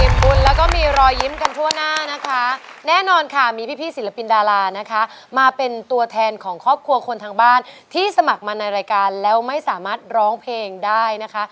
บุญแล้วก็มีรอยยิ้มกันทั่วหน้านะคะแน่นอนค่ะมีพี่ศิลปินดารานะคะมาเป็นตัวแทนของครอบครัวคนทางบ้านที่สมัครมาในรายการแล้วไม่สามารถร้องเพลงได้นะคะ